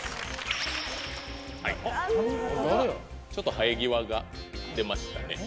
ちょっと生え際が出ましたね。